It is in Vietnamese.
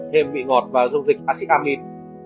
thêm vị ngọt và dung dịch acid amide